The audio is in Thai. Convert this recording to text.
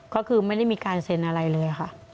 ก็คือไม่ได้มีการเซ็นอะไรเลยค่ะ